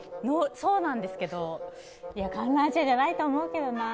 そうなんですけど観覧車じゃないと思うけどな。